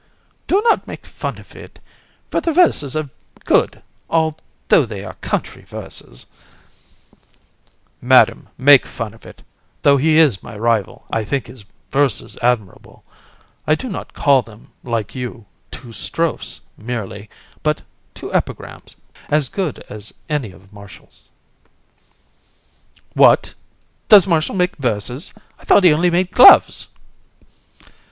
Do not make fun of it; for the verses are good although they are country verses. VISC. I, Madam, make fun of it! Though he is my rival, I think his verses admirable. I do not call them, like you, two strophes merely; but two epigrams, as good as any of Martial's. COUN. What! Does Martial make verses? I thought he only made gloves.